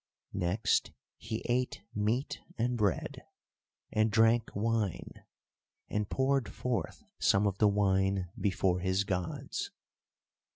Next he ate meat and bread, and drank wine, and poured forth some of the wine before his gods.